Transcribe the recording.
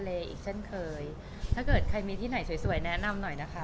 อีกเช่นเคยถ้าเกิดใครมีที่ไหนสวยสวยแนะนำหน่อยนะคะ